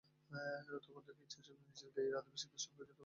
তখন থেকেই ইচ্ছে ছিল নিজের গাঁয়ের আদিবাসীদের সঙ্গে যৌথভাবে একটা কাজ করব।